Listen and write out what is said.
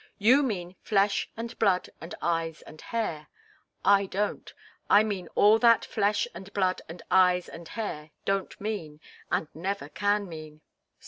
You mean flesh and blood and eyes and hair. I don't. I mean all that flesh and blood and eyes and hair don't mean, and never can mean."